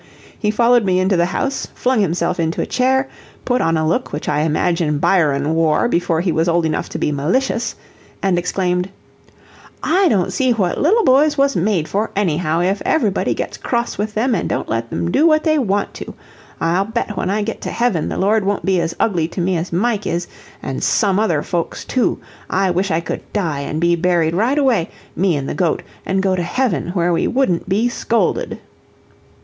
He followed me into the house, flung himself into a chair, put on a look which I imagine Byron wore before he was old enough to be malicious, and exclaimed: "I don't see what little boys was made for anyhow; if ev'rybody gets cross with them, an' don't let 'em do what they want to. I'll bet when I get to heaven, the Lord won't be as ugly to me as Mike is, an' some other folks, too. I wish I could die and be buried right away, me an' the goat an' go to heaven, where we wouldn't be scolded."